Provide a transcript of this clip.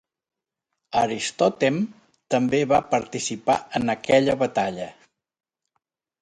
Aristodem també va participar en aquella batalla?